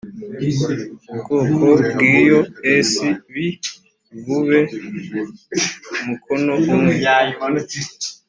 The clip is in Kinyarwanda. ubwoko bw iyo s bi bube mukono umwe